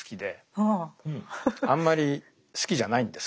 あんまり好きじゃないんです